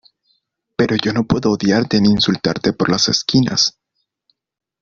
pero yo no puedo odiarte ni insultarte por las esquinas